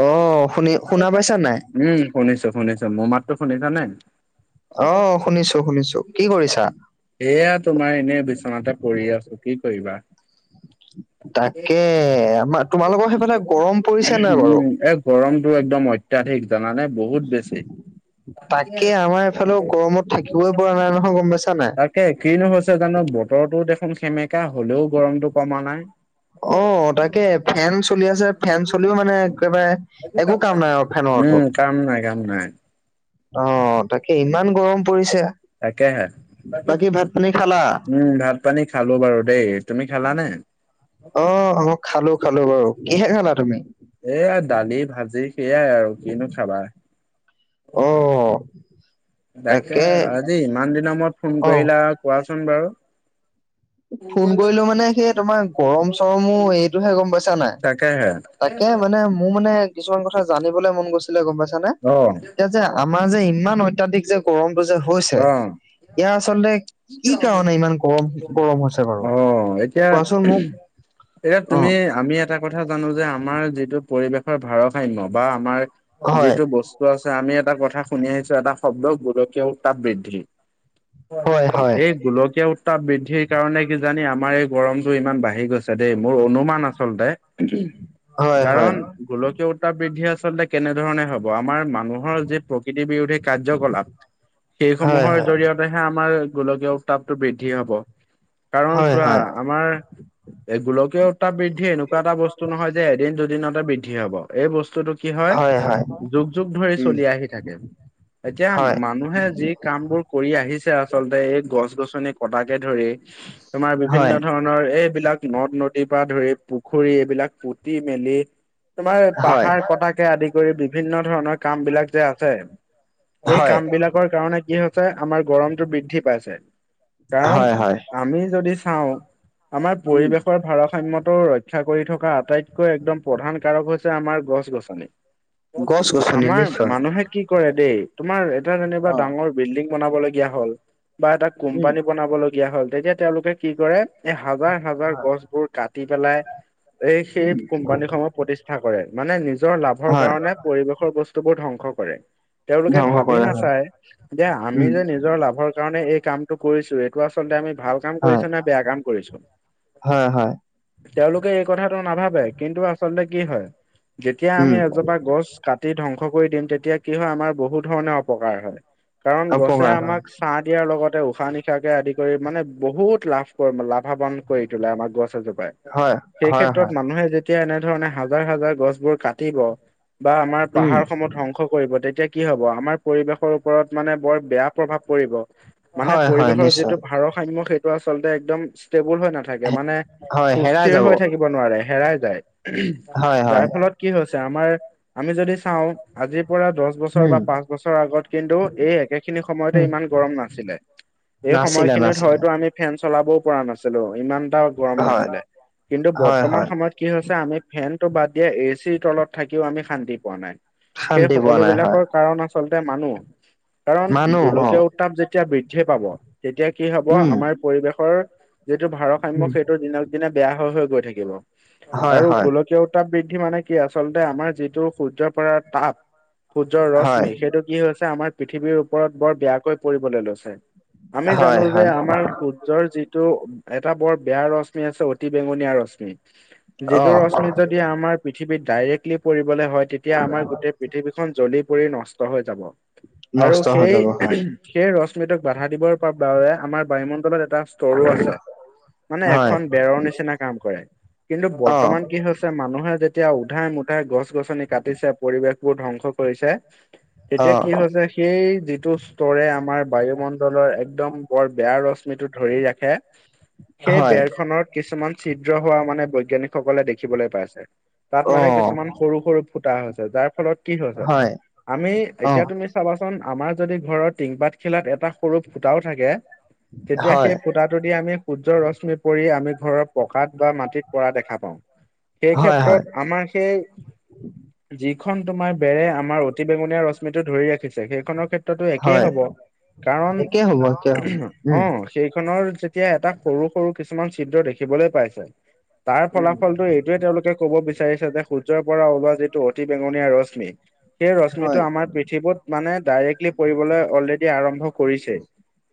অহ শুনি শুনা পাইছা নাই? উম শুনিছো শুনিছো মোৰ মাততো শুনিছা নাই অ শুনিছো শুনিছো কি কৰিছা এয়া তোমাৰ এনেই বিচনাতে পৰি আছো কি কৰিবা তাকে গৰমতটো একদম অত্যাধিক জানানে বহুত বেছি তাকে আমাৰ এইফালেও গৰমত থাকিবই পৰা নাই নহয় গম পাইছা নাই একে কিনো হৈছে জানো বতৰটো দেখোন সেমেকা হলেও গৰমতটো কমা নাই অ তাকে ফেন চলি আছে ফেন চলিও মানে একেবাৰে একো কাম নাই আৰু ফেনৰতো। উম কাম নাই কাম নাই। অ' তাকে ইমান গৰম পৰিছে। তাকে হে‌ বাকী ভাত পানী খালা? উম ভাত পানী খালো বাৰু দেই তুমি খালানে? অ অ মই খালো খালো বাৰু কিহে খালা তুমি। এয়া দালি ভাজি সেইয়াই আৰু কিনো খাবা আহ ডাক্তৰ আজি ইমান দিনৰ মূৰত ফোন অ কৰিলা আৰু কোৱাচোন বাৰু। ফোন কৰিলো মানে সেই তোমাৰ গৰম চৰমো এইটোহে গ'ম পাইছা নাই। তাকেহে তাকে মানে মোৰ মানে। কিছুমান কথা জানিবলৈ মন গৈছিলে, গ'ম পাইছানে, অ এতিয়া যে আমাৰ যে ইমান। অত্যাধিক যে গৰমটো যে হৈছে অ ইয়াৰ আচলতে কি কাৰণে ইমান গৰম। গৰম হৈছে বাৰু অ এতিয়া কোৱাচোন মোক এতিয়া অ তুমি। আমি এটা কথা জানো যে আমাৰ যিটো পৰিৱেশৰ ভাৰসাম্য বা আমাৰ হয় যিটো বস্তু আছে আমি এটা কথা শুনি আহিছো এটা শব্দ গোলকীয় উত্তাপ বৃদ্ধি। হয় হয় এই গোলকীয়া উ বৃদ্ধিৰ কাৰণে কি জানি আমাৰ এই গৰমতটো ইমান বাঢ়ি গৈছে দেই মোৰ অনুমান আচলতে হয় হয় কাৰণ গোলকীয় উত্তাপ বৃদ্ধি আচলতে কেনেধৰণে হ'ব। আমাৰ মানুহৰ যি প্ৰকৃতিৰ বিৰোধে। কাৰ্যকলাপ হয় সেইসমূহৰ হয় জৰিয়তে। হে আমাৰ গোলকীয় উত্তাপটো বৃদ্ধি হ'ব কাৰণ হয় চোৱা হয় আমাৰ এই গোলকীয় উত্তাপ বৃদ্ধি এনেকুৱা এটা বস্তু নহয় যে এদিন - দুদিনতে বৃদ্ধি হ'ব। এই বস্তুতো কি হয়, যুগ - যুগ ধৰি উম চলি আহি থাকে। এতিয়া হয় মানুহে যি কামবোৰ কৰি আহিছে আচলতে এই গছ - গছনি কটাকে ধৰি তোমাৰ হয় বিভিন্ন ধৰণ নৰ এইবিলাক নদ - নদীৰ পৰা ধৰি পুখুৰী এইবিলাক পুতি মেলি তোমাৰ হয় পাহাৰ কটাকে আদি কৰি বিভিন্ন ধৰণৰ কামবিলাক যে আছে এই হয় কামবিলাকৰ কাৰণে কি হৈছে, আমাৰ গৰমটো বৃদ্ধি পাইছে, কাৰণ হয় হয় আমি যদি চাওঁ, আমাৰ উম পৰিৱেশৰ ভাৰসাম্যত ৰ ক্ষা কৰি থকা আটাইতকৈ একদম প্ৰধান কাৰক হৈছে আমাৰ গছ - গছনি। গছ গছনি আমাৰ নিশ্চয় মানুহে কি কৰে দেই, তোমাৰ এটা যেনিবা ডাঙৰ বিল্ডিং বনাবলগীয়া হ'ল বা এটা উম কোম্পানী বনাবলগীয়া হ'ল, তেতিয়া তেওঁলোকে কি কৰে এই হাবাৰ - হাবাৰ গছবোৰ কাটি পেলাই এই সেইত কোম্পানীসমূহ প্ৰতিষ্ঠা কৰে মানে নিজৰ লাভৰ হয় কাৰণে পৰিৱেশৰ বস্তুবোৰ ধ্বংস কৰে। তেওঁলোকে ধ্বংস ভাবি কৰে হয় নাচায় যে আমি উম যে নিজৰ লাভৰ কাৰণে এই কামটো কৰিছো। এ টো আচলতে আমি ভাল কাম হয় কৰিছো নে বেয়া কাম কৰিছো? হয় হয় তেওঁলোকে এই কথাটো নাভাবে কিন্তু আচলতে কি হয়, যেতিয়া আমি উম এজোপা গছ কাটি ধ্বংস কৰি দিম তেতিয়া কি হয়, আমাৰ বহুত ধৰণে অপকাৰ হয় কাৰণ গছে অপকাৰ হয় আমাক কাঁহ দিয়াৰ লগতে উশাহ - নিশাহকে আদি কৰি মানে বহুত লাভ কৰি লাভৱান কৰি তোলে আমাৰ গছ এজোপাই, হয় সেই হয় ক্ষেত্ৰত হয় মানুহে যে যেতিয়া এনেধৰণে হাবাৰ - হাবাৰ গছবোৰ কাটিব বা আমাৰ উম পাহাৰ সমূহ ধংস কৰিব তেতিয়া কি হ'ব, আমাৰ পৰিৱেশৰ ওপৰত মানে বৰ বেয়া প্ৰভাৱ পৰিব। মানে হয় হয় পৰিৱেশৰ যিটো নিশ্চয় ভাৰসাম্য সেইটো আচলতে একদম চি ষ্টেবুল হৈ নাথাকে মানে হয় হেৰাই সুস্থিৰ যাব হৈ থাকিব নোৱাৰে হেৰাই যায়, উহুম। হয় হয়। কি হৈছে আমাৰ আমি যদি চাওঁ আজিৰ পৰা দচ বছ ত উম বা পাঁচ বছৰৰ আগত কিন্তু এই একেখিনি সময়তে উম। ইমান গৰম নাছিলে। এই নাছিলে সময়খিনিত নাছিলে হয়তো আমি ফেন চলাবও পৰা নাছিলো, ইমানটাও গৰম হয় নাছিলে কিন্তু হয় বৰ্তমান হয় সময়ত কি হৈছে আমি ফেনটো বাদ দিয়া, এ চিৰ তলত থাকিও আমি শান্তি পোৱা নাই। সেই শান্তি পোৱা নাই হয় সকলোবিলাকৰ কাৰণ আচলতে মানুহ। কাৰণ মানুহ অ গোলকীয় উত্তাপ যেতিয়া বৃদ্ধি পাব তেতিয়া কি হ'ব উম আমাৰ পৰিৱেশৰ যিটো ভাৰসাম্য উম সেইটো দিনক দিনে বেয়া হৈ হৈ গৈ থাকিব হয় আৰু হয় গোল কিয় উত্তাপ বৃদ্ধি মানে কি? আচলতে আমাৰ যিটো সূৰ্যৰ পৰা তাপ যৰ হয় ৰশ্মি সেইটো কি হৈছে আমাৰ পৃথিৱীৰ ওপৰত বৰ বেয়াকৈ পৰিবলৈ লৈছে। আমি হয় জানো যে হয় আমাৰ সূৰ্যৰ যিটো এটা বৰ বেয়া ৰশ্মি আছে অতি বেঙনীয়া ৰশ্মি অ যিটো ৰশ্মিত যদি আমাৰ পৃথিৱীত ডাইৰেক্টলি পৰিবলৈ হয় তেতিয়া আমাৰ গোটেই পৃথিৱীখন জ্বলি পৰি নষ্ট হৈ যাব আৰু নষ্ট হৈ সেই যাব হয় উহুম সেই ৰশ্মিটোক বাধা দিবৰ বা বাবে আমাৰ বায়ুমণ্ডলত এটা ষ্টৰো আছে। মানে হয় এখন বেৰৰ নিচিনা কাম কৰে কিন্তু অ বৰ্তমান কি হৈছ তে মানুহে যেতিয়া উধাই - মুধাই গছ - গছনি কাটিছে, পৰিৱেশবোৰ ধ্বংস কৰিছে অ এতিয়া কি হৈছে সেই যিটো ষ্টৰে আমাৰ বায়ুমণ্ডলৰ একদম বৰ বেয়া ৰশ্মিটো ধৰি ৰাখে [unintelligible] সেই বেৰ খনত কিছুমান ছিদ্ৰ হোৱা মানে বৈজ্ঞানিক সকলে দেখিবলৈ পাইছে। তাত অ মানে কিছুমান সৰু সৰু ফুটা হৈছে। যাৰ ফলত কি হৈছে? হয় আমি অ এতিয়া তুমি চাবাচোন আমাৰ যদি ঘৰৰ টিংপাত খিলাত এটা সৰু ফুটাও থাকে তেতিয়া হয় সেই ফুটাটো দি আমি সূৰ্যৰ ৰশ্মি পৰি আমি ঘৰৰ পকাত বা মাটিত পৰা দেখা পাওঁ। সেই হয় হয় ক্ষেত্ৰত আমাৰ সেই, যিখন তোমাৰ বেৰে আমাৰ অত অতি বেঙুীয়া ৰশ্মিটো ধৰি ৰাখিছে। সেইখনৰ ক্ষেত টো একেই হয় হ'ব। কাৰণ, একে হ'ব একে হ'ব উম অঁ সেইখনৰ যেতিয়া এটা সৰু সৰু কিছুমান চিএ দেখিবলৈ পাইছে তাৰ ফলাফলটো এইটোৱে তেওঁলোকে কব বিচাৰিছে যে সূৰ্যৰ পৰা ওলোৱা যিটো অতি বেঙনীয়া ৰশ্মি সেই হয় ৰশ্মিটো আমাৰ পৃথিৱীত মানে ডাইৰেক্টলি পৰিবলৈ অলৰেডি আৰম্ভ কৰিছে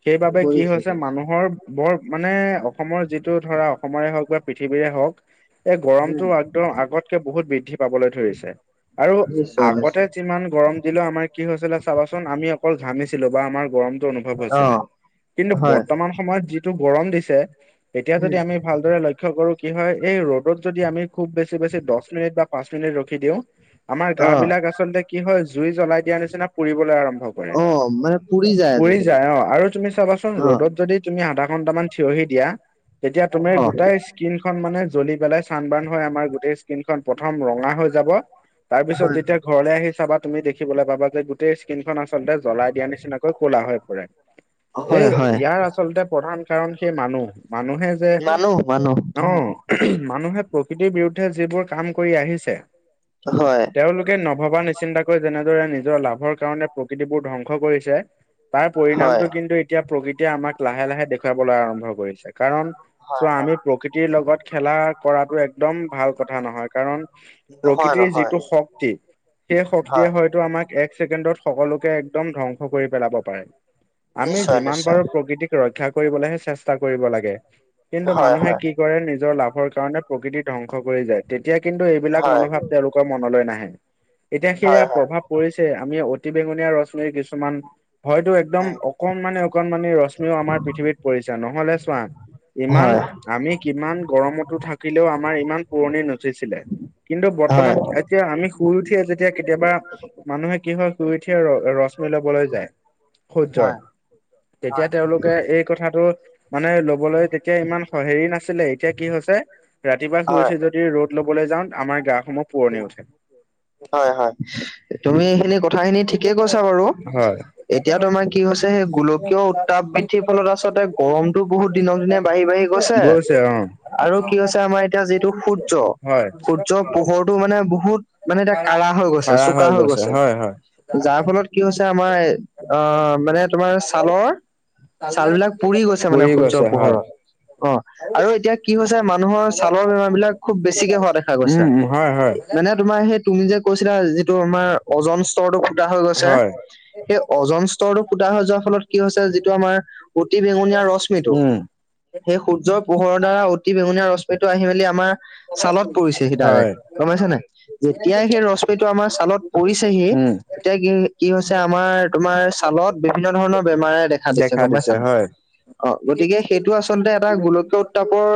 সেইবাবে কি কৰিছো হৈছে কৰিছো মানুহৰ বৰ মানে, অসমৰ যিটো ধৰা অসমৰে হওঁক বা পৃথিৱীৰে হওঁক এই গৰমতো উম একদম আগতকে বহুত বৃদ্ধি পাবলৈ ধৰিছে আৰু নিশ্চয় নিশ্চয় আগতে যিমান গৰম দিলেও আমাৰ কি হৈছিলে চাবাচোন, আমি অকল ঘামিছিলো বা আমাৰ গৰমটো অনুভৱ অ হৈছিলে। কিন্তু হয় বৰ্তমান সময়ত যিটো গৰম দিছে, এতিয়া যদি উম আমি ভালদৰে লক্ষ্য কৰো কি হয় এই ৰ'দত যদি আমি খুব বেছি বেছি দহ মিনিট বা পাঁচ মিনিট ৰখি দিওঁ, আমাৰ গা অ বিলাক আ আচলতে কি হয় জুই জ্বলাই দিয়া নিচিনা পুৰিবলৈ আৰম্ভ কৰে। অ মানে পুৰি উৰি আজিকালি যায় অঁ আৰু তুমি চাবাচোন অ ৰ'দত যদি তুমি আধা ঘণ্টা মান ঠিয় হি দিয়া, তেতিয়া তুমি অ গোটাই স্কিনখন মানে জ্বলি পেলাই- চানবাৰ্ন হৈ আমাৰ গোটেই স্কিন খন প্ৰথম ৰঙা হৈ যাব, তাৰপিছত হয় যেতিয়া ঘৰলৈ আহি চাবা তুমি দেখিবলৈ পাবা যে গোটেই স্কিনখন আলতে জ্বলাই দিয়া নিচিনাকৈ ক'লা হৈ পৰে। এই হয় হয় ইয়াৰ আচলতে প্ৰধান কাৰণ সেই মানুহ। মানুহে যে মানুহ। ওম মানুহে প্ৰকৃতিৰ বিৰুদ্ধে যিবোৰ কাম কৰি আহিছে হয় তেওঁলোক নভবা নিশচিন্তাকৈ যেনেদৰে নিজৰ লাভৰ কাৰণে প্ৰকৃতিবোৰ ধ্বংস কৰিছে তাৰ হয় পৰিণামটো কিন্তু এতিয়া প্ৰকৃতিয়ে আমাক লাহে লাহে দেখুৱাবলৈ আৰম্ভ কৰিছে। কাৰণ হয় চ' হয় আমি প্ৰকৃতিৰ লগত খেলা কৰাতটো একদম ভাল কথা নহয় কাৰণ নহয় প্ৰকৃতিৰ নহয় যিটো শক্ত সেই শক্তিয়ে হয় হয়তো আমাক এক ছেকেণ্ডত সকলোকে একদম ধ্বংস কৰি পেলাব পাৰে। আমি নিশ্চয় যিমান নিশ্চয় পাৰো প্ৰকৃতিক ৰক্ষা কৰিবলৈহে চেষ্টা কৰিব লাগে কিন্তু হয় মানুহে হয় কি কৰে নিজৰ লাভৰ কাৰণে প্ৰকৃতি ধ্বংস কৰি যায় তেতিয়া কিন্তু এইবিলাক হয় মনোভাৱ তেওঁলোকৰ মনলৈ নাহে। এতিয়া সেয়া হয় হয় প্ৰভাৱ পৰিছে আমি অতি বেঙুনীয়া ৰশ্মিৰ কিছুমান হয়তো একদম উম অকণমানে অকণমানি ৰশ্মিও আমাৰ পৃথিৱীত পৰিছে নহলে চোৱা ইমান হয় আমি কিমান গৰমতো থাকিলেও আমাৰ ইমান পুৰণি নঠিছিলে। কিন্তু বৰ্তমান হয় এতিয়া আমি শুই উঠিয়ে যেতিয়া কেতিয়াবা মানুহে কি হয় শুই উঠিয়ে ৰ ৰশ্মি ল'বলৈ যায়। সূৰ্যৰ হয় হয় তেতিয়া তেওঁলোকে এই কথাটো মানে লবলৈ তেতিয়া ইমান হেৰি নাছিলে এতিয়া কি হৈছে ৰাতিপুৱা শুই হয় উঠি যদি ৰ'দ ল'বলৈ যাওঁ আমাৰ গা সমূহ পুৰণি উঠে। হয় হয় তুমি এইখিনি কথাখিনি ঠিকে কৈছা বাৰু। হয় এতিয়া তোমাৰ কি হৈছে সেই গোলকীয় উত্তাপ বৃদ্ধিৰ ফলত আচলতে গৰম তটো বহুত দিনক দিনে বাঢ়ি বাঢ়ি গৈছে। আৰু কি হৈছে আমাৰ এতিয়া যিটো সূৰ্য্য হয়। সূৰ্য্য পোহৰটো মানে বহুত মানে এতিয়া কাড়া হৈ গৈছে কাৰা চোকা হৈ গৈছে হয় হয়। যাৰ ফলত কি হৈছে আমাৰ অহ মানে তোমাৰ ছালৰ ছাল বিলাক পুৰি গৈছে মানে সূৰ্য্যৰ গৈছে হয় পোহৰত। অহ আৰু এতিয়া কি হৈছে মানুহৰ ছালৰ বেমাৰ বিলাক খুব বেছিকে হোৱা দেখা গৈছে উম হয় হয়। মানে তোমাৰ সেই তুমি যে কৈছিলা যিটো আমাৰ অজন স্তৰটো ফুটা হৈ গৈছে। হয় সেই অজন স্তৰটো ফুটা হৈ যোৱাৰ ফলত কি হৈছে যিটো আমাৰ অতি বেঙুনীয়া ৰশ্মিটো উম সেই সূৰ্য্য পোহৰ দ্বাৰা অতি বেঙুনীয়া ৰ ৰশ্মিটো আহি মেলি আমাৰ ছালত পৰিছে সি হয় ডাইৰেক্ট গম পাইছ নাই যেতিয়াই সেই ৰশ্মিটো আমাৰ ছালত পৰিছে সি উম এতিয়া কি কি হৈছে আমাৰ তোমাৰ ছালত বিভিন্ন ধৰণৰ বেমাৰে দেখা দিছে গম পাইছা নাই অহ গতিকে সেইটো আচলতে এটা গোলকীয় উত্তাপৰ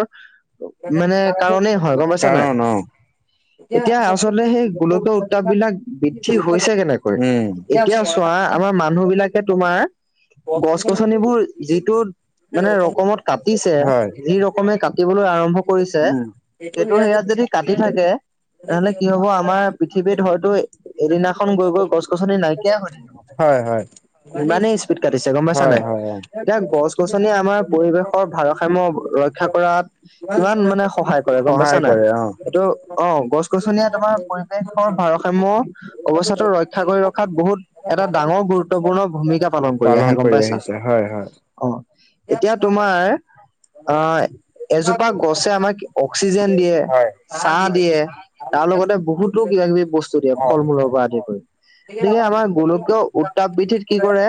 মানে কাৰনে হয় গম পাইছা নাই কাৰণ অ এতিয়া আ আচলতে সেই গোলকীয় উত্তাপ বিলাক বৃদ্ধি হৈছে কেনেকৈ উম এতিয়া চোৱা আমাৰ মানুহ বিলাকে তোমাৰ গছ গছনিবোৰ যিটো মানে ৰকমত কাটিছে হয়। যি ৰক কমে কাটিবলৈ আৰম্ভ কৰিছে উম সেইটো সেয়াত যদি কাটি থাকে তেনেহলে কি হব আমাৰ পৃথিৱীত হয়তো এদিনাখন গৈ গৈ গছ গছনি নাইকীয়াই হৈ থাকিব। হয় হয় ইমানেই স্পীড কাটিছে গম পাইছা হয় নাই হয় অ এতিয়া গছ গছনি আমাৰ পৰিৱেশৰ ভাৰসাম্য ৰক্ষা কৰাত কিমান মানে সহায় কৰে গম পাইছা সহায় নাই কৰে অ এইটো অহ গছ গছনিয়ে তোমাৰ পৰিৱেশৰ ভাৰসাম্য অৱস্থাটো ৰক্ষা কৰি ৰখাত বহুত এটা ডাঙৰ গুৰুত্বপূৰ্ণ ভূমিকা। পালন কৰি আহে গম পাইছা আহিছে হয় হয় অহ এতিয়া তোমাৰ অহ এজোপা গছে আমাক অক্সিজেন দিয়ে হয় ছাহ দিয়ে। তাৰ লগতে বহুতো কিবা কিবি বস্তু দিয়ে অ ফল মূলৰ পৰা আদি কৰি গতিকে আমাৰ গোলকীয় উ তাপ বৃদ্ধিত কি কৰে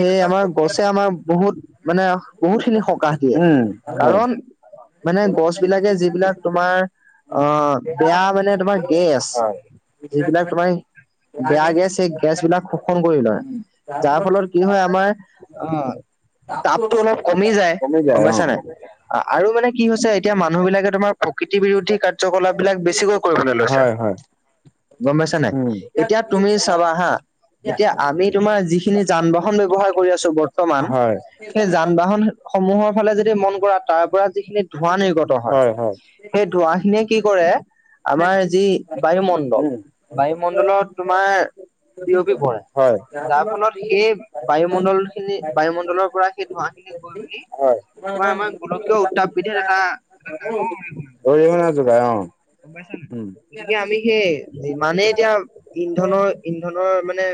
সেই আমাৰ গছে আমাৰ বহুত মানে বহুত খিনি সকাহ দিয়ে উম হয় কাৰণ মানে গছ বিলাকে যিবিলাক তোমাৰ অহ বেয়া মানে তোমাৰ গেছ হয় যিবিলাক তোমাৰ বেয়া গেছ সেই গেছ বিলাক শো শোষণ কৰি লয় উম যাৰ ফলত কি হয় আমাৰ আহ তাপটো অলপ কমি যায় কমি গম অ পাইছা নে নাই? আৰু মানে কি হৈছে এতিয়া মানুহ বিলাকে তোমাৰ প্ৰকৃতি বিৰোধী কাৰ্যকলাপ বিলাক বেছিকৈ কৰিবলৈ লৈছে। হয় হয় গম পাইছা নাই উম এতিয়া তুমি চাবা হা এতিয়া আমি তোমাৰ যিখিনি যান বাহন ব্যৱহাৰ কৰি আছো বৰ্তমান, হয় সেই যান বাহন সমূহৰ ফালে যদি মন কৰা তাৰ পৰা যিখিনি ধোঁৱা নিৰ্গত হয় সেই ধোঁৱা খিনিয়ে কি কৰে। আমাৰ যি বায়ুমণ্ডল, উম বায়ুমণ্ডলত তোমাৰ বিয়পি পৰে। হয় যাৰ ফলত সেই বায়ুমণ্ডল খিনি, বায়ুমণ্ডলৰ পৰা সেই ধোঁৱা খিনি গৈ মেলি হয় তোমাৰ আমাৰ গোলকীয় উত্তাপ বৃদ্ধি এটা ডাঙৰ অৰিহণা অৰিহণা যোগায়। অহ গম পাইছ নাই? গতিকে আমি সেই যিমানে এতিয়া ইন্ধনৰ-ইন্ধনৰ মানে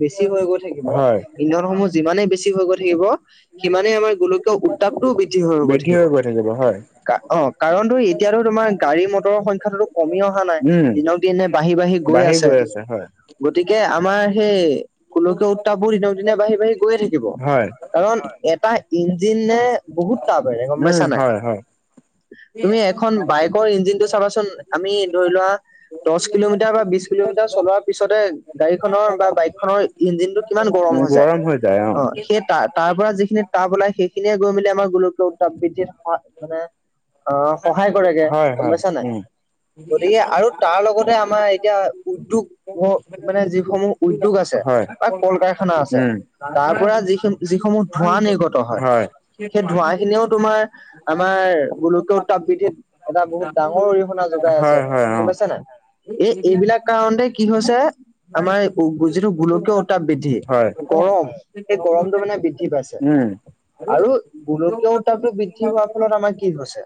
বেছি হৈ গৈ থাকিব, হয় ইন্ধন সমূহ যিমানেই বেছি হৈ গৈ থাকিব, সিমানেই আমাৰ গোলকীয় উত্তাপটোও বৃদ্ধি হৈ হৈ গৈ থাকিব। কা অহ, কাৰণটো এতিয়াটো তোমাৰ গাড়ী-মটৰৰ সংখ্যাটো তো কমি অহা [unintelligible] নাই উম, দিনক দিনে বাঢ়ি-বাঢ়ি গৈ আছে, গতিকে আমাৰ সেই গোলকীয় উত্তাপবোৰ দিনক দিনে বাঢ়ি-বাঢ়ি গৈয়ে থাকিব। হয়, কাৰণ এটা ইঞ্জিনে বহুত তাপেৰে গম উম, পাইছা নাই? হয়, হয়। তুমি এখন বাইকৰ ইঞ্জিনটো চাবাচোন আমি ধৰি লোৱা দহ কিলোমিটাৰ বা বিছ কিলোমিটাৰ চলোৱাৰ পিছতে গাড়ীখনৰ বা বাইকখনৰ ইঞ্জিনটোত কিমান গৰম হৈ যায়। অ, সেই তা তাৰ পৰা যিখিনি তাপ ওলাই সেইখিনিয়ে গৈ মেলি আমাৰ গোলকীয় উত্তাপ বৃদ্ধিত স মানে অঁ সহায় কৰেগে, হয়, গম হয়, পাইছা নাই? উম, গতিকে আৰু তাৰ লগতে আমাৰ এতিয়া উদ্যোগ ও মানে যিসমূহ উদ্যোগ আছে, হয়, বা কল-কাৰখানা আছে। উম, তাৰ পৰা যিখি যিসমূহ ধোঁৱা নিৰ্গত হয়, সেই ধোঁৱা খিনিও তোমাৰ, আমাৰ গোলকীয় উত্তাপ বৃদ্ধিত এটা বহুত ডা ঙৰ অৰিহণা যোগাই হয়, আছে। হয়, অ, গম পাইছা নাই? এই এইবিলাক কাৰণতে কি হৈছে আমাৰ যিটো গোলকীয় উত্তাপ বৃদ্ধি, হয়, গৰম, এই গৰমটো মানে বৃদ্ধি পাইছে। উম, আৰু গোলকীয় উত্তাপটো বৃদ্ধি হোৱাৰ ফলত আমাৰ কি হৈছে,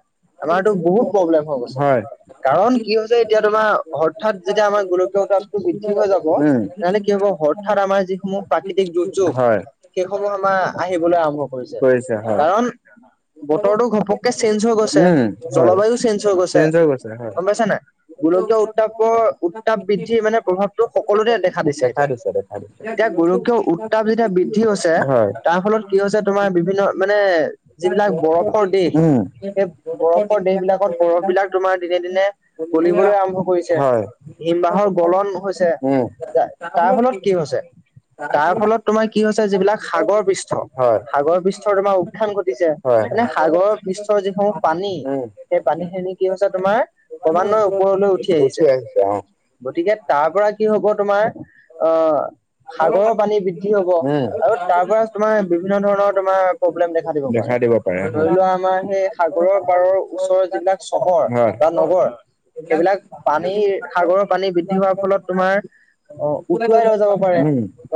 আমাৰতো বহুত প্ৰব্লেম হৈ গৈছে। হয়। কাৰণ কি হৈছে, এতিয়া তোমাৰ হঠাৎ যেতিয়া আমাৰ গোলকীয় উত্তাপটো বৃদ্ধি হৈ যাব, উম। জানা নে কি হ'ব হঠাৎ আমাৰ যিসমূহ প্ৰাকৃতিক দুৰ্যোগ, হয়, সেইসমূহ আমাৰ আহিবলৈ আৰম্ভ কৰিছে। কাৰণ বতৰটো ঘপ কে চেঞ্জ হৈ গৈছে, উম, হয়, জলবায়ু চেঞ্জ হৈ গৈছে। চেঞ্জ হৈ গৈছে, হয়। গম পাইছা নাই গোলকীয় উত্তাপৰ উত্তাপ বৃদ্ধিৰ মানে প্ৰভাৱটো সকলোতে দেখা দিছে। দেখা এতিয়া দিছে, দেখা দিছে। এতিয়া গোলকীয় উত্তাপ যেতিয়া বৃদ্ধি হৈছে, হয়। তাৰ ফলত কি হৈছে তোমাৰ বিভিন্ন মানে যিবিলাক বৰফৰ দেশ, উম। সেই বৰফৰ দেশবিলাকত বৰফ বিলাক তোমাৰ দিনে-দিনে গলিবলৈ আৰম্ভ কৰিছে। হয় হিম বাহৰ গলন হৈছে। উম তাৰ ফলত কি হৈছে? তাৰ ফলত তোমাৰ কি হৈছে, যিবিলাক সাগৰ পৃষ্ঠ হয়। সাগৰ পৃষ্ঠৰ তোমাৰ উত্থান ঘটিছে। হয় মানে হয়। সাগৰৰ পৃষ্ঠৰ যিসমূহ পানী, উম সেই পানী খিনি কি হৈছে তোমাৰ ক্ৰমান্বয়ে ওপৰলৈ উঠি আহিছে। গতিকে তাৰ পৰা কি হ'ব তোমাৰ, আহ সাগৰৰ পানী বৃদ্ধি হ'ব। উম। আৰু তাৰ পৰা তোমাৰ বিভিন্ন ধৰণৰ তোমাৰ প্ৰব্লেম দেখা দিব। দেখা দিব পাৰে, ধৰি হয়। লোৱা আমাৰ সেই সাগৰৰ পাৰৰ ওচৰৰ যিবিলাক চহৰ হয়। বা নগৰ সেইবিলাক পানীৰ, সাগৰৰ পানী বৃদ্ধি হোৱাৰ ফলত তোমাৰ অ, উটুৱাই লৈ যাব পাৰে। উম। বা